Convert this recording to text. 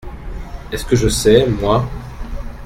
Est-ce que je sais, moi ?…